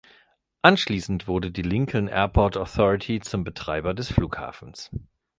Anschließend wurde die Lincoln Airport Authority zum Betreiber des Flughafens.